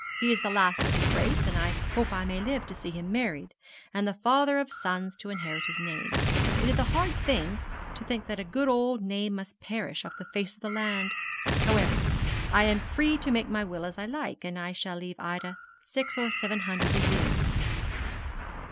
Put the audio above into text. He is the last of his race, and I hope I may live to see him married, and the father of sons to inherit his name. It is a hard thing to think that a good old name must perish off the face of the land. However, I am free to make my will as I like, and I shall leave Ida six or seven hundred a year.